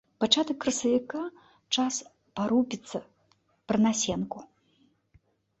Пачатак красавіка, час парупіцца пра насенку.